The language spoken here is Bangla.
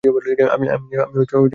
আমি জেগে আছি!